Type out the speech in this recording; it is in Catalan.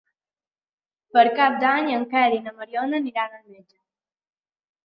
Per Cap d'Any en Quel i na Mariona aniran al metge.